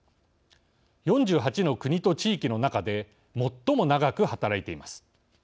４８の国と地域の中で最も長く働いています。